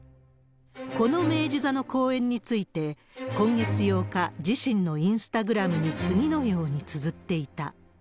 この明治座の公演について、今月８日、自身のインスタグラムに次のようにつづっていた。